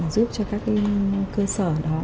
giúp cho các cái cơ sở đó